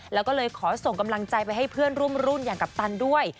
แล้วก็เลยขอส่งกำลังใจไปให้เพื่อนร่วมรุ่นอย่างกัปตันด้วย